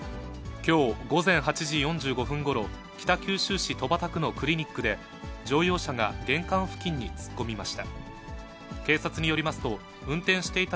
きょう午前８時４５分ごろ、北九州市戸畑区のクリニックで乗用車が玄関付近に突っ込みました。